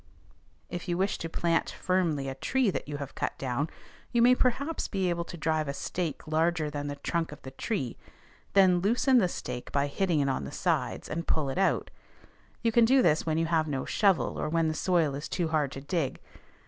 If you wish to plant firmly a tree that you have cut down, you may perhaps be able to drive a stake larger than the trunk of the tree; then loosen the stake by hitting it on the sides, and pull it out. You can do this when you have no shovel, or when the soil is too hard to dig.